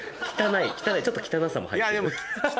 ちょっと汚さも入ってる。